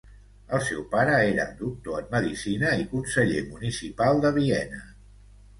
El seu pare era doctor en medicina i conseller municipal de Viena.